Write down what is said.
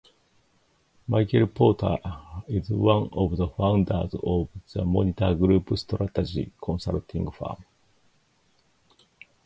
Michael Porter is one of the founders of The Monitor Group strategy consulting firm.